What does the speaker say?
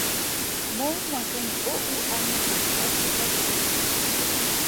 Mo ngwageng o o amegang wa tshekatsheko.